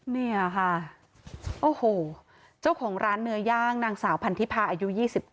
เนี่ยค่ะโอ้โหเจ้าของร้านเนื้อย่างนางสาวพันธิพาอายุ๒๙